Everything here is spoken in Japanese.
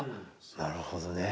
なるほどね。